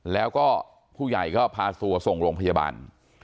แล้วก็ผู้ใหญ่ก็พาตัวส่งโรงพยาบาล